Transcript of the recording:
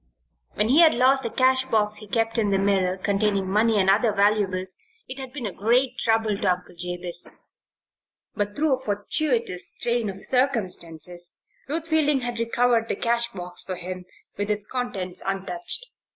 When he had lost a cash box he kept in the mill, containing money and other valuables, it had been a great trouble to Uncle Jabez. But through a fortuitous train of circumstances Ruth Fielding had recovered the cash box for him, with its contents untouched.